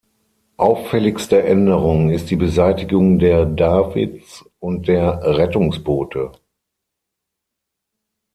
Auffälligste Änderung ist die Beseitigung der Davits und der Rettungsboote.